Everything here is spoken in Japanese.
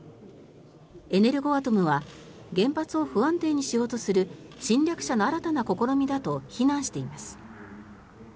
エネルゴアトムは原発を不安定にしようとする侵略者の新たな試みだと非難しています。